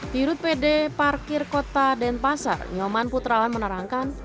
pirut pd parkir kota denpasar nyoman putrawan menerangkan